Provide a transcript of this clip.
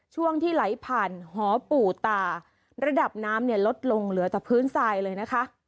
ช่วงที่ไหลผ่านหอปู่ตาระดับน้ำเนี่ยลดลงเหลือแต่พื้นทรายเลยนะคะ